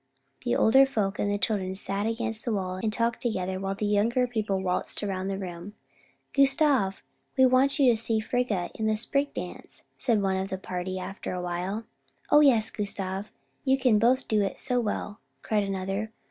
The older folk and children sat against the wall and talked together while the younger people waltzed around the room. "Gustav, we want to see you and Frigga in the Spring Dance," said one of the party after a while. "O yes, Gustav, you can both do it so well," cried another.